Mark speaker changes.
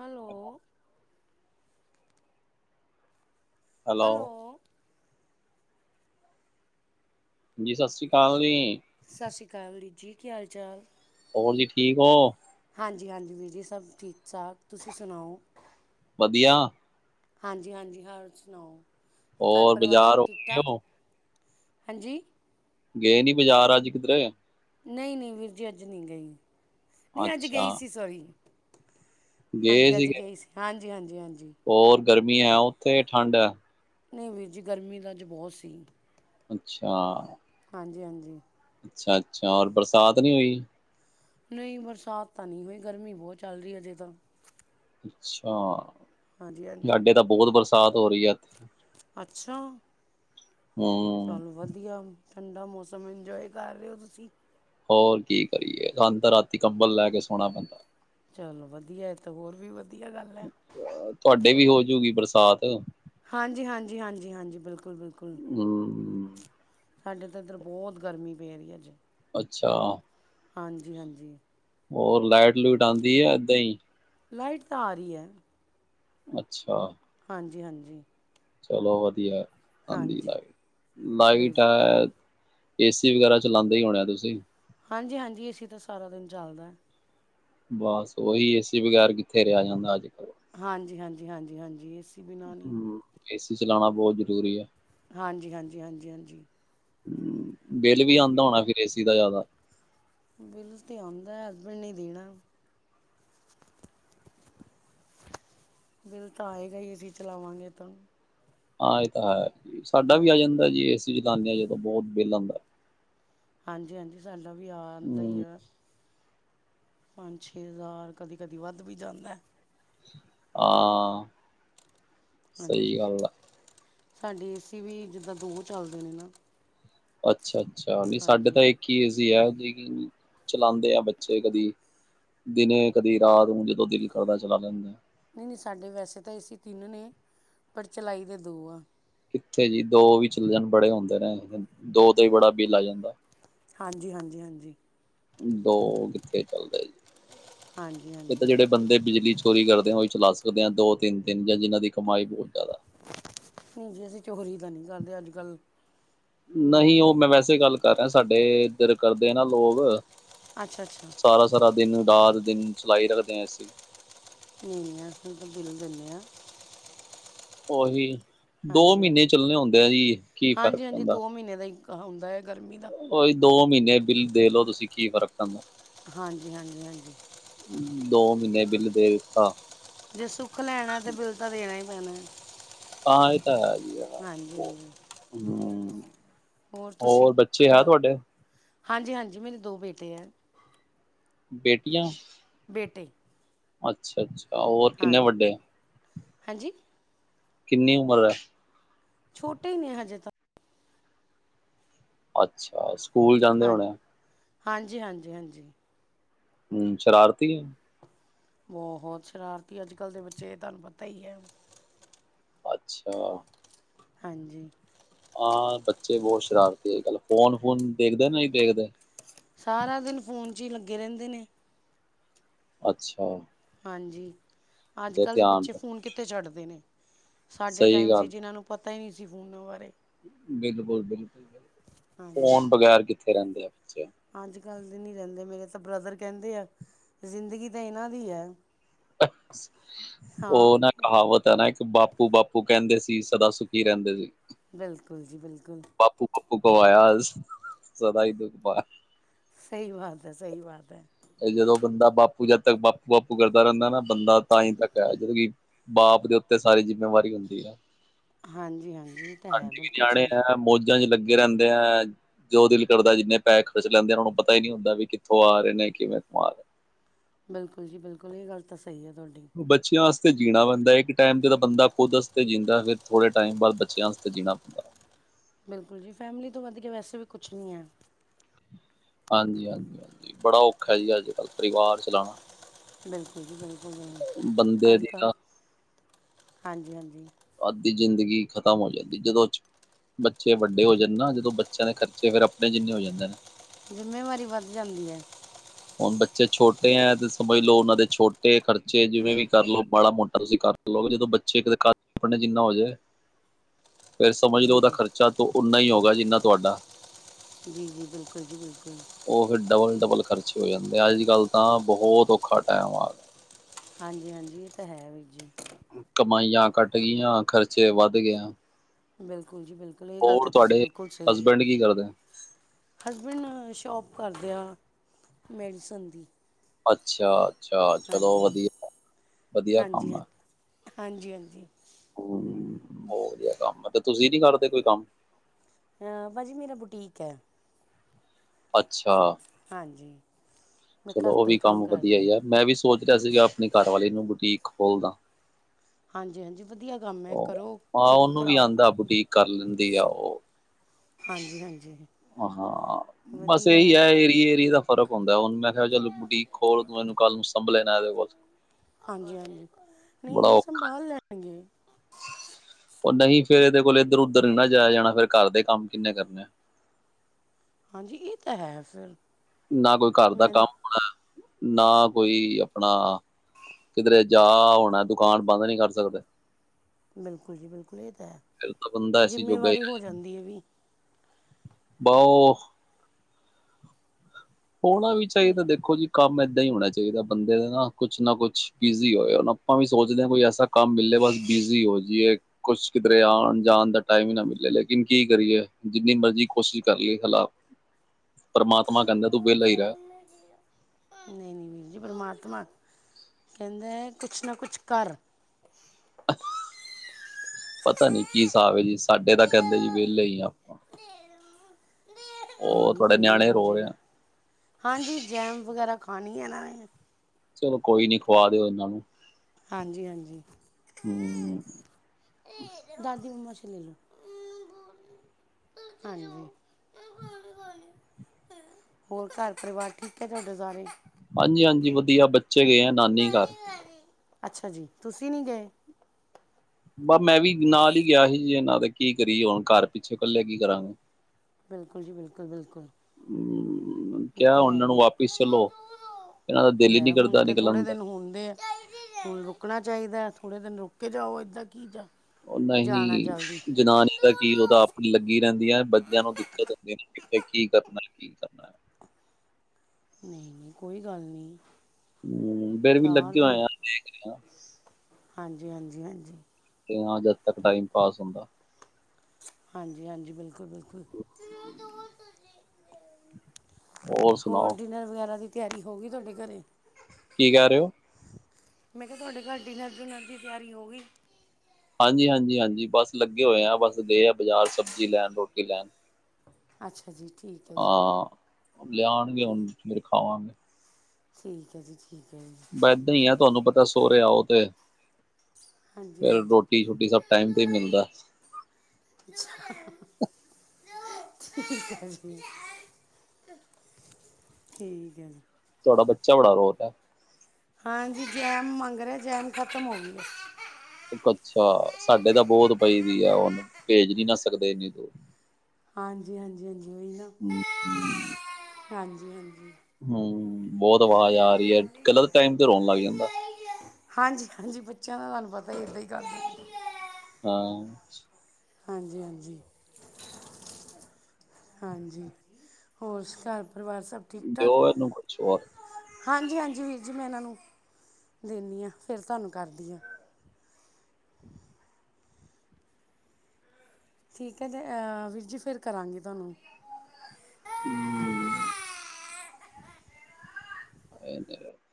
Speaker 1: Hello. Hello.
Speaker 2: ਜੀ, ਸਤਿ ਸ੍ਰੀ ਅਕਾਲ ਜੀ।
Speaker 1: ਸਤਿ ਸ੍ਰੀ ਅਕਾਲ ਜੀ। ਕੀ ਹਾਲ ਚਾਲ।
Speaker 2: ਹੋਰ ਜੀ ਠੀਕ ਹੋ।
Speaker 1: ਹਾਂਜੀ ਹਾਂਜੀ ਵੀਰ ਜੀ ਸਭ ਠੀਕ ਠਾਕ ਤੁਸੀਂ ਸੁਣਾਓ
Speaker 2: ਵਧੀਆ
Speaker 1: ਹਾਂਜੀ ਹਾਂਜੀ ਹੋਰ ਸੁਣਾਓ ਘਰ
Speaker 2: ਰ
Speaker 1: ਪਰਿਵਾਰ ਸਭ
Speaker 2: ਬਾਜ਼ਾਰ ਹੋ
Speaker 1: ਠੀਕ ਠਾਕ
Speaker 2: ਹੋ
Speaker 1: ਹਾਂਜੀ
Speaker 2: ਗਏ ਨੀ ਬਾਜ਼ਾਰ ਅੱਜ ਕਿੱਧਰੇ
Speaker 1: ਨਹੀਂ ਨਹੀਂ ਵੀਰ ਜੀ ਅੱਜ ਨਹੀਂ ਗਈ ਨਹੀਂ ਅੱਜ
Speaker 2: ਅੱਛਾ
Speaker 1: ਗਈ ਸੀ ਸੋਹੀ
Speaker 2: ਗਏ
Speaker 1: ਹਾਂਜੀ ਅੱਜ
Speaker 2: ਸੀਗੇ
Speaker 1: ਗਈ ਸੀ ਹਾਂਜੀ ਹਾਂ ਹਾਂਜੀ
Speaker 2: ਹੋਰ ਗਰਮੀ ਹੈ ਉੱਥੇ ਠੰਡ ਹੈ
Speaker 1: ਨਹੀਂ ਵੀਰ ਜੀ ਗਰਮੀ ਦਾ ਅੱਜ ਬਹੁਤ ਸੀ
Speaker 2: ਅੱਛਾ
Speaker 1: ਹਾਂਜੀ ਹਾਂਜੀ
Speaker 2: ਅੱਛਾ ਅੱਛਾਔਰ ਬਰਸਾਤ ਨਹੀਂੀ ਹੋਈ
Speaker 1: ਨਹੀਂ ਬਰਸਾਤ ਤਾਂ ਨਹੀਂ ਹੋਈ ਗਰਮੀ ਬਹੁਤ ਚੱਲ ਰਹੀ ਅਜੇ ਤਾਂ
Speaker 2: ਅੱਛਾ
Speaker 1: ਹਾਂਜੀ ਹਾਂਜੀ
Speaker 2: ਸਾਡੇ ਤਾਂ ਬਹੁਤ ਬਰਸ ਸਾਦ ਹੋ ਰਹੀ ਹੈ ਇੱਥੇ
Speaker 1: ਅੱਛਾ
Speaker 2: ਹਮ
Speaker 1: ਚਲ ਵਧੀਆ ਠੰਡਾ ਮੌਸਮ ਇੰਜੋਏ ਕਰ ਰਹੇ ਹੋ ਤੁਸੀਂ
Speaker 2: ਹੋਰ ਕੀ ਕਰੀਏ ਅੰਧ ਰਾਤੀ ਕੰਬਲ ਲੈ ਕੇ ਸੋਣਾ ਪੈਂਦਾ
Speaker 1: ਚੱਲੋ ਵਧੀਆ ਤਾਂ ਹੋਰ ਵੀ ਵਧੀਆ ਗੱਲ ਹੈ
Speaker 2: ਡੇ ਵੀ ਹੋਜੂਗੀ ਬਰਸਾਤ
Speaker 1: ਹਾਂਜੀ ਹਾਂਜੀ ਹਾਂਜੀ ਹਾਂਜੀ ਬਿਲਕੁਲ ਬਿਲਕੁਲ
Speaker 2: ਹਮ
Speaker 1: ਸਾਡੇ ਤਾਂ ਇੱਧਰ ਬਹੁਤ ਗਰਮੀ ਪੈ ਰਹੀ ਅੱਜ
Speaker 2: ਅੱਛਾ
Speaker 1: ਹਾਂਜੀ ਹਾਂਜੀ
Speaker 2: ਹੋਰ ਲਾਈਟ ਲੂਟ ਆਉਂਦੀ ਹੈ ਏਦਾਂ ਹੀ
Speaker 1: ਲਾਈਟ ਤਾਂ ਆ ਰਹੀ ਹੈ
Speaker 2: ਅੱਛਾ
Speaker 1: ਹਾਂਜੀ ਹਾਂਜੀ
Speaker 2: ਚਲੋ ਵਧੀਆ ਹਾਂਜੀ ਲ ਲਾਈਟ
Speaker 1: ਬਿਲਕੁਲ
Speaker 2: ਹੈ ਏਸੀ ਵਗੈਰਾ ਚਲਾਉਂਦੇ ਹੀ ਹੋਣੇ ਆ ਤੁਸੀਂ
Speaker 1: ਹਾਂਜੀ ਹਾਂਜੀ ਅਏਸੀ ਤਾਂ ਸਾਰਾ ਦਿਨ ਚੱਲਦਾ ਹੈ
Speaker 2: ਬਸ ਉਹੀ ਏਸੀ ਬਗੈਰ ਕਿੱਥੇ ਰਿਹਾ ਜਾਂਦਾ ਅੱਜ ਕੱਲ
Speaker 1: ਹਾਂਜੀ ਹਾਂਜੀ ਹਾਂਜੀ ਹਾਂਜੀ ਇਸ ਅਸੀ ਬਣਾਣੀ
Speaker 2: ਏ ਸੀ ਚਲਾਉਣਾ ਬਹੁਤ ਜ਼ਰੂਰੀ ਹੈ
Speaker 1: ਹਾਂਜੀ ਹਾਂਜੀ ਹਾਂਜੀ ਹਾਂਜੀ
Speaker 2: ਹਮ ਬਿੱਲ ਵੀ ਆਉਂਦਾ ਹੋਣਾ ਫਿਰ ਚ ਦਾ ਜ਼ਿਆਦਾ
Speaker 1: ਬਿਲ ਤੇ ਆਉਂਦਾ ਹਸਬੈਂਡ ਨੇ ਦੇਣਾ ਬਿਲ ਤਾਂ ਆਏਗਾ ਹੀ ਅਸੀਂ ਚਲਾਵਾਂਗੇ ਇ ਤੁ ਨੂੰ
Speaker 2: ਹਾਂ ਆ ਤਾਂ ਸਾਡਾ ਵੀ ਆ ਜਾਂਦਾ ਜੀ ਸੀ ਜਗਾਉਂਦੇ ਹਾਂ ਜਦੋਂ ਬਹੁਤ ਬਿੱਲ ਹੁੰਦਾ ਹੈ
Speaker 1: ਹਾਂਜੀ ਹਾਂਜੀ ਸਾਨੂੰ [unintelligible] ਪੰਜ ਛੇ ਹਜ਼ਾਰ ਕਦੀ ਕਦੀ ਵੱਧ ਵੀ ਜਾਂਦਾ
Speaker 2: ਆਾਂ ਸਹੀ ਗੱਲ ਆ
Speaker 1: ਸਾਡੀੇ ਏਸੀ ਵੀ ਜਿੱਦਾਂ ਦੋਵ ਚੱਲਦੇ ਨੇ ਨਾ
Speaker 2: ਅੱਛਾ ਅੱਛਾ ਨੀ ਸਾਢੇ
Speaker 1: ਹਾਂਜੀ
Speaker 2: ਤਾਂ ਇੱਕ ਹੀ ਜ ਚਲਾਉਂਦੇ ਆ ਬੱਚੇ ਕਦੀ ਦਿਨੇ ਕਦੀ ਰਾਤ ਨੂੰ ਜਦੋਂ ਦਿਲ ਕਰਦਾ ਚਲਾ ਲੈਂਦੇ ਆ
Speaker 1: ਨਹੀਂ ਨਹੀਂ ਸਾਡੇ ਵੈਸੇ ਤਾਂ ਅ ਤਿੰਨ ਨੇ ਪਰ ਚਲਾਈ ਦੇ ਦੋ ਆ
Speaker 2: ਕਿੱਥੇ ਜੀ ਦੋ ਵੀ ਚਲੇ ਜਾਣ ਬੜੇ ਹੁੰਦੇ ਨੇ ਦੋ ਤੋਂ ਹੀ ਬੜਾ ਬਿੱਿਲ ਆ ਜਾਂਦਾ
Speaker 1: ਹਾਂਜੀ ਹਾਂਜੀ ਹਾਂਜੀ
Speaker 2: ਦੋ ਕਿੱਥੇ ਚੱਲਦਾ ਜੀ
Speaker 1: ਹਾਂਜੀ ਹਾਂਜੀ
Speaker 2: ਇਹ
Speaker 1: ਹਾਂਜੀ
Speaker 2: ਤਾਂ ਜਿਹੜੇ
Speaker 1: ਨਹੀਂ
Speaker 2: ਬੰਦੇ ਬਿਜਲੀ ਚ ਚੋਰੀ ਕਰਦੇ ਹ ਉਹੀ ਚਲਾ ਸਕਦੇ ਹਾਂ ਦੋ ਤਿੰਨ ਤਨ ਜਾਂ ਜਿਨਾਂ ਦੀ ਕਮਾਈ ਬਹੁਤ ਜ਼ਿਆਦਾ
Speaker 1: ਨਹੀਂ ਜੀ ਅਸੀਂ ਚੋਹਰੀ ਤਾਂ ਨਹੀਂ ਕਰਦੇ ਅੱਜ ਕੱਲ੍ਹ
Speaker 2: ਨਹੀਂ ਉਹ ਮੈਂ ਵੈਸੇ ਗੱਲ ਕਰ ਕਹਿੰ ਸਾਡੇ ਇੱਧਰ ਕਰਦੇ ਆ ਨਾ ਲੋਕ
Speaker 1: ਅੱਛਾ ਅੱਛਾ
Speaker 2: ਸਾਰਾ ਸਾਰਾ ਦਿਨ ਰਾਤ ਦਿਨ ਚਲਾਈ ਰੱਖਦੇ ਹਾਂ ਅਸੀਂ
Speaker 1: ਨਹੀਂ ਨਹੀਂ ਅਸੀ ਉਹਦਾ ਬਿੱਲ ਦਿੰਦੇ ਹਾਂ
Speaker 2: [unintelligible] ਦੋ
Speaker 1: ਹਾਂਜੀ ਹਾਂਜੀ
Speaker 2: ਮਹੀਨੇ ਚੱਲਣੇ ਹੁੰਦੇ ਆ ਜੀ ਕੀ ਫ਼ਰਕ
Speaker 1: ਹਾਂਜੀ ਹਾਂਜੀ
Speaker 2: ਪੈਂਦਾ
Speaker 1: ਦੋ ਮਹੀਨੇ ਦਾ ਹੀ ਹੁੰਦਾ ਹੈ ਗਰਮੀ ਦਾ
Speaker 2: ਦੋ ਮਹੀਨੇ ਬਿੱਲ ਦੇ ਲਓ ਤੁਸੀਂ ਕੀ ਫਰਕ ਪਹਨਾ
Speaker 1: ਹਾਂਜੀ ਹਾਂਜੀ ਹਾਂਜੀ
Speaker 2: ਦੋ ਮਹੀਨੇ ਬਿੱਲ ਦੇ ਦਿੱਤਾ
Speaker 1: ਜੇ ਸੁੱਖ ਲੈਣਾ ਤੇ ਬਿਲ ਤਾਂ ਦੇਣਾ ਹੀ ਪੈੜਾਂ ਐ
Speaker 2: ਹਾਂ ਏ ਹਾਂ ਜੀ ਹਾਂ ਜੀ ਬ ਹੂੰ ਹਮ
Speaker 1: ਤੁਸੀਂ
Speaker 2: ਹੋਰ ਬੱਚੇ ਹੈ
Speaker 1: ਖਾ
Speaker 2: ਤੁਹਾਡੇ?
Speaker 1: ਹਾਂਜੀ ਹਾਂਜੀ ਮੇਰੇ ਦੋ ਬੇਟੇ ਐ।
Speaker 2: ਬੇਟੀਆਂ।
Speaker 1: ਬੇਟੇ
Speaker 2: ਅੱਛਾ ਅੱਛਾ। ਏ ਕਿੰਨੇ
Speaker 1: ਹਾਂਜੀ
Speaker 2: ਵੱਡੇ ਐ।
Speaker 1: ਹਾਂਜੀ
Speaker 2: ਕਿੰਨੀ ਉਮਰ ਹੈ?
Speaker 1: ਛੋਟੇ ਹੀ ਨੇ ਹਜੇ ਤਾਂ।
Speaker 2: ਅੱਛਾ। ਸਕੂਲ ਜਾਂਦੇ
Speaker 1: ਹਾਂ
Speaker 2: ਹੋਣੇ।
Speaker 1: ਹਾਂਜੀ ਹਾਂਜੀ ਹਾਂਜੀ।
Speaker 2: ਹੂੰ ਸ਼ਰਾਰਤੀ ਨੇ
Speaker 1: ਬਹੁਤ ਸ਼ਰਾਰਤੀ ਅੱਜ ਕੱਲ੍ਹ ਦੇ ਬੱਚੇ ਤੁਹਾਨੂੰ ਪਤਾ ਹੀ ਹੈ।
Speaker 2: ਅੱਛਾ।
Speaker 1: ਹਾਂਜੀ।
Speaker 2: ਹਾਂ ਬੱਚੇ ਬਹੁਤ ਸ਼ਰਾਰਤੀ ਹੈ ਕੱਲ ਫੋਨ ਫੋਨ ਦੇਖਦੇ ਨੀ ਦੇਖਦੇ?
Speaker 1: ਸਾਰਾ ਦਿਨ ਫੋਨ ਚੀ ਲੱਗੇ ਰਹਿੰਦੇ ਨੇ।
Speaker 2: ਅੱਛਾ।
Speaker 1: ਹਾਂਜੀ। ਅੱਜ
Speaker 2: ਤੇ
Speaker 1: ਕੱਲ੍ਹ ਦੇ
Speaker 2: ਧਿਆਨ
Speaker 1: ਬੱਚੇ
Speaker 2: ਰੱਖ,
Speaker 1: ਫੋਨ ਕਿੱਥੇ ਛੱਡਦੇ ਨੇ ਸਾਡੇ
Speaker 2: ਸਹੀ
Speaker 1: ਟਾਈਮ ਸੀ
Speaker 2: ਗੱਲ
Speaker 1: ਜਿਹਨਾਂ ਨੂੰ ਪਤ ਤਾ ਹੈ ਨਈ ਸੀ ਫੋਨਾਂ ਵਾਰੇ
Speaker 2: ਬਿਲਕੁਲ ਬਿਲਕੁਲ ਬਿਲਕੁ
Speaker 1: ਹਾਂਜੀ
Speaker 2: ਫੋਨ ਬਗੈਰ ਕਿੱਥੇ ਫਿ ਰੇਹਂਦੇ ਆ ਬੱਚੇ।
Speaker 1: ਅੱਜ ਕੱਲ ਦੇ ਨੀ ਰਹਿੰਦੇ ਮੇਰੇ ਤਾਂ ਬ੍ਰਦਰ ਕਹਿੰਦੇ ਆ ਜ਼ਿੰਦਗੀ ਤਾਂ ਇਹਨਾਂ ਦੀ ਹੈ।
Speaker 2: ਅ ਉਹ ਨਾ
Speaker 1: ਹਾਂ
Speaker 2: ਕਹਾਵਤ ਹੈ ਨਾ ਏਕ ਬਾਪੂ ਬਾਪੂ ਕਹਿੰਦੇ ਸੀ ਸਦਾ ਸੁਖੀ ਰਹਿੰਦੇ ਸੀ।
Speaker 1: ਬਿਲਕੁਲ ਜੀ ਬਿਲ
Speaker 2: ਬਾਪੂ ਭੁੱਕਵਾਇਆਜ ਸਦਾ ਹੀ ਦੁਖ ਪਾ
Speaker 1: ਸਹੀ ਬਾਤ ਹੈ ਸਹੀ ਬਾਤ ਹੈ।
Speaker 2: ਇਹ ਜਦੋਂ ਬੰਦਾ ਬਾਪੂ ਜਦ ਤੱਕ ਬਾਪੂ ਬਾਪੂ ਕਰਦਾ ਰਹਿੰਦਾ ਨਾ ਬੰਦਾ ਤਾਂ ਹੀ ਤੱਕ ਹੈ ਜਦੋਂ ਕਿ ਬਾਪ ਦੇ ਉੱਤੇ ਸਾਰੀ ਜਿੰਮੇਵਾਰੀ ਹੁੰਦੀ ਐ
Speaker 1: ਹਾਂਜੀ ਹਾਂਜੀ ਇਹ ਤਾਂ ਹੈ
Speaker 2: ਵੀ
Speaker 1: ਬਿਲਕੁਲ
Speaker 2: ਨਿਆਣੇ
Speaker 1: ਸਹੀ ਹੈ।
Speaker 2: ਮੌਜਾਂ 'ਚ ਲੱਗੇ ਰਹਿੰਦੇ ਐ ਜੋ ਦਿਲ ਕਰਦਾ ਜਿੰਨੇ ਪੈਸੇ ਖਰਚ ਲੈਂਦੇ ਉਹਨੂੰ ਪਤਾ ਹੀ ਨੀ ਹੁੰਦਾ ਵੀ ਕਿੱਥੋਂ ਆ ਰਹੇ ਨੇ। ਕਿਵੇਂ ਕਾਲ
Speaker 1: ਬਿਲਕੁਲ ਜੀ ਬਿਲਕੁਲ ਇਹ ਗੱਲ ਤਾਂੱਸ ਸਹੀ ਹੈ ਤੁਹਾਡੀ
Speaker 2: ਬੱਚਿਆਂ ਵਾਸਤੇ ਜੀਣਾ ਪੈਂਦਾ ਇੱਕ ਟਾਈਮ ਤੇ ਤਾਂ ਬੰਦਾ ਖੁਦਸਤੇ ਜੀਂਦਾ ਫਿਰ ਥੋੜ੍ਹੇ ਟਾਈਮ ਬਾਅਦ ਬੱਚਿਆਂ ਵਾਸਤੇ ਜੀਣਾ ਪੈਂਦਾ
Speaker 1: ਬਿਲਕੁਲ ਜੀ ਫੈਮਲੀ ਤੋਂ ਵਧ ਕੇ ਵੈਸੇ ਵੀ ਕੁਛ ਨੀ ਹੈ
Speaker 2: ਹਾਂਜੀ ਹਾਂਜੀ ਹ ਬੜਾ ਔਖਾ ਜੀ ਅੱਜ ਕੱਲ ਪਰਿਵਾਰ ਚਲਾਉਣਾ
Speaker 1: ਬਿਲਕੁਲ ਜੀ ਬਿਲਕੁਲ ਨਹੀਂੀ
Speaker 2: ਬੰਦੇ
Speaker 1: ਅਜ
Speaker 2: ਦੀ
Speaker 1: ਕੱਲ
Speaker 2: ਤਾਂ
Speaker 1: ਹਾਂਜੀ ਹਾਂਜੀ
Speaker 2: ਅਦੀ ਜ਼ਿੰਦਗੀ ਖ਼ਤਮ ਹੋ ਜਾਂਦੀ ਜਦੋਂ ਬੱਚੇ ਵੱਡੇ ਹੋ ਜਾਂਦੇ ਨਾ ਜਦੋਂ ਬੱਚਿਆਂ ਦੇ ਖਰਚੇ ਫੇਿਰ ਆਪਣੇ ਜਿੰਨੇ ਹੋ ਜਾਂਦੇ ਨੇ
Speaker 1: ਜ਼ਿੰਮੇਵਾਰੀ ਵੱਧ ਜਾਂਦੀ ਹੈ
Speaker 2: ਹੁਣ ਬੱਚੇ ਛੋਟੇ ਹੈ ਤੇ ਸਮਝ ਲੋਓ ਉਹਨਾਂ ਦੇ ਛੋਟੇ ਖਰਚੇ ਜਿਵੇਂ ਵੀ ਕਰ ਲੋ ਮਾੜਾ ਮੋਟਾ ਤੁਸੀਂ ਕਰ ਲਓ ਜਦੋਂ ਬੱਚੇੇ ਜਿੰਨਾ ਹੋ ਜਾਏ ਫੇਿਰ ਸਮਝ ਲੋਓ
Speaker 1: ਜੀ
Speaker 2: ਉਹਦਾ
Speaker 1: ਜੀ
Speaker 2: ਖਰਚਾ ਤਾਂ ਉਨਾ ਹੀ ਹੋਗਾ ਜਿੰਨਾ ਤੁਹਾਡਾ
Speaker 1: ਦੀ ਜਦੇ ਕ ਜੂਰ ਕੋ
Speaker 2: ਅੱਛੇ ਹੋ ਜਾਂਦੇ ਆ ਅੱਜ ਕੱਲ ਤਾਂ ਬਹੁਤ ਔਖਾ ਟਾਈਮ ਆ
Speaker 1: ਹਾਂਜੀ ਹਾਂਜੀ ਇਹ ਤਾਂ ਹੈ ਵੀ ਜੇ
Speaker 2: ਕਮਾਈਆਂ ਕੱਟ ਗਈਆਂ ਖਰਚੇ ਵੱਧ ਗਏ
Speaker 1: ਬਿਲਕੁਲ ਬਿਲਕੁਲ ਜੀ ਬਿਲਕੁਲ ਇਹ ਗੱਲ ਤਾਂ
Speaker 2: ਹੋਰ
Speaker 1: ਤੁਸੀਂ
Speaker 2: ਤੁਹਾਡੇ
Speaker 1: ਬਿਲਕੁਲ ਸਹੀ
Speaker 2: ਹਸਬੈਂਡ ਕੀ ਕਰਦੇ
Speaker 1: ਹਸਬੈਂਡ ਸ਼ੋਪ ਕਰਦਿਆਂ ਮੈਡੀਸਨ ਦੀ
Speaker 2: ਅੱਛਾ ਅੱਛਾ ਚਲੋ
Speaker 1: ਹਾਂਜੀ
Speaker 2: ਵਧੀਆ ਵਧੀਆ
Speaker 1: ਹਾਂਜੀ
Speaker 2: ਕੰਮ
Speaker 1: ਹਾਂ-
Speaker 2: ਆ
Speaker 1: ਹਾਂਜੀ ਹਾਂਜੀ
Speaker 2: ਹਮ ਉਹ ਵਧੀਆ ਕੰਮ ਤੇ ਤੁਸੀਂ ਨੀ ਕਰਦੇ ਕੋਈ ਕੰਮ
Speaker 1: ਅਹ ਭਾਜੀ ਮੇਰਾ ਬੁਟੀਕ ਹੈ
Speaker 2: ਅੱਛਾ
Speaker 1: ਹਾਂਜੀ ਮੈਂ
Speaker 2: ਚਲੋ
Speaker 1: ਘਰ
Speaker 2: ਉਹ
Speaker 1: ਤੋਂ
Speaker 2: ਵੀ
Speaker 1: ਹੀ
Speaker 2: ਕੰਮ ਵਧੀਆ
Speaker 1: ਕਰਦੀ
Speaker 2: ਹੀ
Speaker 1: ਹਾਂ
Speaker 2: ਆ ਮੈਂ ਵੀ ਸੋਚ ਰਿਹਾ ਸੀਗਾ ਆਪਣੇ ਘਰਵਾਲੀ ਨੂੰ ਬੁਟੀਕ ਖੋਲਦਾ
Speaker 1: ਹਾਂਜੀ ਹਾਂਜੀ ਵਧੀਆ ਕੰਮ ਹੈ
Speaker 2: ਉਹ
Speaker 1: ਕਰੋ
Speaker 2: ਹਾਂ
Speaker 1: ਸ਼ੁਰੂ
Speaker 2: ਉਹਨੂੰ ਵੀ
Speaker 1: ਕਰਾਓ
Speaker 2: ਆਉਂਦਾ ਬੁਟੀਕ ਕਰ ਲੈਂਦੀ ਆ ਉਹ
Speaker 1: ਹਾਂਜੀ ਹਾਂਜੀ
Speaker 2: ਹਾਂਾਂ ਬਸ ਇਹੀ ਹੈ ਏਰੀਏ ਏਰੀਏ ਦਾ ਫਰਕ ਹੁੰਦਾ ਹੁਣ ਮੈਂ ਕਿਹਾ ਚੱਲ ਬੁਡੀਕ ਖੋਲ ਮੈਨੂੰ ਕੱਲ ਨੂੰ ਸੰਭ ਲਣਾ ਇਹਦੇ ਕੋਲ
Speaker 1: ਹਾਂਜੀ ਹਾਂਜੀ
Speaker 2: ਬੜਾ
Speaker 1: ਨਹੀਂ
Speaker 2: ਔਖਾ
Speaker 1: ਸੰਭਾਲ ਲੈਣਗੇ
Speaker 2: ਉਹ ਨਹੀਂ ਫੇਰ ਇਹਦੇ ਕੋਲ ਇੱਧਰ -ਉਧਰ ਨੀ ਨਾ ਜਾਇਆ ਜਾਣਾ, ਫਿਰ ਘਰ ਦੇ ਕੰਮ ਕਿੰਨੇ ਕਰਨੇ ਆ।
Speaker 1: ਹਾਂਜੀ ਇਹ ਤਾਂ ਹੈ, ਫਿਰ
Speaker 2: ਨਾ ਕੋਈ ਘਰ ਦਾ
Speaker 1: ਮੈਂ
Speaker 2: ਕੰਮ ਹੋਣਾ। ਨਾ ਕੋਈ ਆਪਣਾ ਕਿਧਰੇ ਜਾ ਹੋਣਾ, ਦੁਕਾਨ ਬੰਦ ਨਹੀਂ ਕਰ ਸਕਦੇ।
Speaker 1: ਬਿਲਕੁਲ ਜੀ, ਬਿਲਕੁਲ ਇਹ ਤਾਂ ਹੈ
Speaker 2: ਫਿਰ ਤਾਂ ਬੰਦਾ ਐਸੀ ਜੋਗਾ ਹੀ
Speaker 1: ਜਿੰਮੇਵਾਰੀ ਹੋ ਜਾਂਦੀ ਹੈ ਵੀ
Speaker 2: ਬਹੁ ਹੋਣਾ ਵੀ
Speaker 1: ਇਹ
Speaker 2: ਚਾਹੀਦਾ ਦੇਖੋ ਜੀ ਕੰਮ ਏਦਾਂ ਹੀ ਹੋਣਾ ਚਾਹੀਦਾ ਬੰਦੇ ਦਾ ਨਾ ਕੁਛ ਨਾ ਕੁਛ ਬਿਜ਼ੀ ਹੋਏ ਆਪਾਂ ਵੀ ਸੋਚਦੇ ਹਾਂ ਕੋਈ ਐਸਾ ਕੰਮ ਮਿਲੇ ਬਸ ਬਿਜ਼ੀ ਹੋ ਜਾਈਏ, ਕੁਛ ਕਿਧਰੇ ਆਣ ਜਾਣ ਦਾ ਟਾਈਮ ਹੀ ਨਾ ਮਿਲੇ ਲੇਕਿਨ ਕੀ ਕਰੀਏ ਜਿੰਨੀ ਮਰਜ਼ੀ ਕੋਸ਼ਿਸ਼ ਕਰ ਲਈਏ ਕਲਾ ਪਰਮਾਤਮਾ ਕਹਿੰਦਾ ਤੂੰ ਵਿਹਲਾ ਹੀ ਰਹਿ।
Speaker 1: ਨਹੀਂ- ਨਹੀਂ ਵੀਰ ਜੀ ਪਰਮਾਤਮਾ ਕਹਿੰਦਾ ਕੁਛ ਨਾ ਕੁਛ ਕਰ।
Speaker 2: ਪਤਾ ਨੀ ਕੀ ਹਿਸਾਬ ਹੈ ਜੀ ਸਾਡੇ ਤਾਂ ਕਹਿੰਦੇ ਜੀ ਵਿਹਲੇ ਹੀ ਆ ਆਪਾਂ।
Speaker 1: ਕੋਈ
Speaker 2: ਉਹ
Speaker 1: ਨੀ
Speaker 2: ਤੁਹਾਡੇ
Speaker 1: ਕੋਈ ਨੀ
Speaker 2: ਨਿਆਣੇ ਰੋ ਰਹੇ
Speaker 1: ਹੋਜੇਗਾ
Speaker 2: ਆ
Speaker 1: ਹਾਂਜੀ ਜੈਮ ਵਗੈਰਾ ਖਾਣੀ ਆ ਇਹਨਾਂ ਨੇ
Speaker 2: ਚਲੋ ਕੋਈ ਨੀ ਖਵਾ ਦਿਓ ਇਹਨਾਂ ਨੂੰ
Speaker 1: ਹਾਂਜੀ -ਹਾਂਜੀ।
Speaker 2: ਹੂੰ।
Speaker 1: ਦਾਦੀ ਉਮਰ [inaudible] ਹਾਂਜੀ, ਹੋਰ ਘਰ ਪਰਿਵਾਰ ਠੀਕ ਹੈ ਤੁਹਾਡੇ ਸਾਰੇ।
Speaker 2: ਹਾਂਜੀ -ਹਾਂਜੀ, ਵਧੀਆ ਬੱਚੇ ਗਏ ਆ ਨਾਨੀ ਘਰ।
Speaker 1: ਅੱਛਾ ਜੀ, ਤੁਸੀਂ ਨੀ ਗਏ।
Speaker 2: ਬਸ ਮੈਂ ਵੀ ਨਾਲ ਹੀ ਗਿਆ ਸੀ ਜੇ ਇਹਨਾਂ ਤੇ ਕੀ ਕਰੀਏ, ਹੁਣ ਘਰ ਪਿੱਛੇ ਇਕੱਲੇ ਕੀ ਕਰਾਂਗੇ।
Speaker 1: ਬਿਲਕੁਲ ਜੀ, ਬਿਲਕੁਲ- ਬਿਲਕੁਲ ਇਹ
Speaker 2: ਕਿਹਾ
Speaker 1: ਤਾਂ ਹੈ
Speaker 2: ਉਹਨਾਂ ਨੂੰ
Speaker 1: ਹੀ ਹੈ
Speaker 2: ਵਾਪਿਸ ਚਲੋ ਇਹਨਾਂ ਦਾ ਦਿਲ ਹੀ ਨਹੀਂ
Speaker 1: ਹੁਣ
Speaker 2: ਕਰਦਾ
Speaker 1: ਤੇ ਥੋੜੇ
Speaker 2: ਨਿਕਲਣ ਦਾ
Speaker 1: ਦਿਨ ਹੁੰਦੇ ਆ, ਹੁਣ ਰੁਕਣਾ ਚਾਹੀਦਾ। ਥੋੜ੍ਹੇ ਦਿਨ ਰੁਕ ਕੇ ਜਾਓ, ਇੱਦਾਂ ਕੀ ਜਾ
Speaker 2: ਉਹ
Speaker 1: ਜਾਣਾ ਜਲਦੀ
Speaker 2: ਨਹੀਂ ਜਨਾਨੀ ਦਾ ਕੀ ਉਹਦਾ ਆਪਣੀ ਲੱਗੀ ਰਹਿੰਦੀਆਂ ਬੰਦਿਆ ਨੂੰ ਦਿੱਕਤ ਹੁੰਦੀ ਐ, ਕਿੱਥੇ ਕੀ ਕਰਨਾ ਕੀ ਕਰਨਾ
Speaker 1: ਨਹੀਂ -ਨਹੀਂ ਕੋਈ ਗੱਲ ਨਹੀਂ।
Speaker 2: ਹੂੰ, ਫਿਰ ਵੀ
Speaker 1: ਚਾਰ
Speaker 2: ਲੱਗੇ
Speaker 1: ਦਿਨ
Speaker 2: ਹੋਏ ਆਂ।
Speaker 1: ਹਾਂਜੀ, ਹਾਂਜੀ, ਹਾਂਜੀ।
Speaker 2: ਹਾਂ ਜਦ ਤੱਕ ਟਾਈਮ ਪਾਸ ਹੁੰਦਾ।
Speaker 1: ਹਾਂਜੀ -ਹਾਂਜੀ, ਬਿਲਕੁਲ- ਬਿਲਕੁਲ। ਹੋਰ ਡਿਨਰ ਵਗੈਰਾ ਦੀ ਤਿਆਰੀ ਹੋ ਗਈ ਤੁਹਾਡੇ ਘਰੇ
Speaker 2: ਕੀ ਕਹਿ ਰਹੇ ਹੋ?
Speaker 1: ਮੈਂ ਕਿਹਾ ਤੁਹਾਡੇ ਘਰ ਡਿਨਰ ਡੂਨਰ ਦੀ ਤਿਆਰੀ ਹੋ ਗਈ।
Speaker 2: ਹਾਂਜੀ- ਹਾਂਜੀ- ਹਾਂਜੀ ਬਸ ਲੱਗੇ ਹੋਏ ਆ, ਬਸ ਗਏ ਆ ਬਾਜ਼ਾਰ ਸਬਜ਼ੀ ਲੈਣ ਰੋਟੀ ਲੈਣ।
Speaker 1: ਅੱਛਾ ਜੀ, ਠੀਕ ਹੈ ਜੀ
Speaker 2: ਹਾਂ ਲਿਆਉਣਗੇ ਹੁਣ
Speaker 1: ਠੀਕ
Speaker 2: ਫਿਰ ਖਾਵਾਂਗੇ
Speaker 1: ਠੀਕ ਹੈ ਜੀ ਠੀਕ ਹੈ ਜੀ
Speaker 2: ਬਦਾਂ ਹੀ ਆ ਤੁਹਾਨੂੰ ਪਤਾ ਸੋਰੇ ਆਓ ਤੇ [unintelligible]
Speaker 1: ਹਾਂਜੀ ਹਾਂਜੀ
Speaker 2: ਟਾਈਮ ਤੇ ਹੀ ਮਿਲਦਾ
Speaker 1: ਠੀਕ ਹੈ ਜੀ ਠੀਕ ਹੈ ਜੀ
Speaker 2: ਤੁਹਾਡਾ ਬੱਚਾ ਬੜਾ ਰੋਲ ਹੈ
Speaker 1: ਹਾਂਜੀ ਜੈਮ ਮੰਗ ਰਿਹਾ ਜੈਮ ਖਤਮ ਹੋ ਗਈ ਹੈ
Speaker 2: ਅੱਛਾ ਸਾਡੇ ਤਾਂ ਬਹੁਤ ਪਈ ਦੀ ਆ ਉਹਨੂੰ ਭੇਜ ਨੀ ਨਾ ਸਕਦੇ ਇਨੀ ਤੂੰ
Speaker 1: ਹਾਂਜੀ ਹਾਂਜੀ ਹਾਂਜੀ ਹੋਹੀ ਨਾ ਹਾਂਜੀ ਹਾਂਜੀ
Speaker 2: ਹਾਂ ਬਹੁਤ ਆਵਾਜ਼ ਆ
Speaker 1: ਟਾਈਮ
Speaker 2: ਰਹੀ ਹੈ
Speaker 1: ਖਾਲੀ ਹੋ
Speaker 2: ਇਕਲਾ ਦੇ
Speaker 1: ਗਿਆ
Speaker 2: ਟਾਈਮ ਤੇ ਰੋਣ ਲੱਗ ਜਾਂਦਾ
Speaker 1: ਪੁੱਤ ਹਾਂਜੀ ਹਾਂਜੀ ਬੱਚਿਆਂ ਦਾ ਤੁਹਾਨੂੰ ਪਤਾ ਹੀ ਇੱਦਾਂ ਹੀ ਕਰੱਲ
Speaker 2: ਹਾਂ
Speaker 1: ਹਾਂਜੀ ਹਾਂਜੀ ਹਾਂਜੀ ਹੋਰ ਘਰ ਪਰਿਵਾਰ ਸਭ ਠੀਕ ਠਾਕ
Speaker 2: ਦਿਓ ਇਹਨੂੰ ਕੁਛ ਹੋਰ
Speaker 1: ਹਾਂਜੀ ਹਾਂਜੀ ਵੀਰ ਜੀ ਮੈਂ ਇਹਨਾਂ ਨੂੰ ਦਦੀ ਹ ਫੇਿਰ ਤੁਹਾਨੂੰ ਕਰਦੀ ਆ ਠੀਕ ਹੈ ਤੇ ਅਹ ਵੀਰ ਜੀ ਫਿਰ ਕਰਾਂਗੇ ਤੁਹਾਨੂੰ
Speaker 2: ਹਮ [unintelligible]